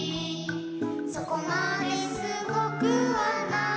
「そこまですごくはないけど」